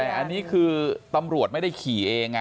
แต่อันนี้คือตำรวจไม่ได้ขี่เอง